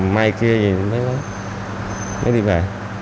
mày kia thì mới đi về